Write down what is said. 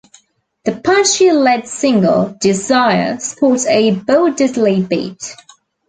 The punchy lead single, "Desire", sports a Bo Diddley beat.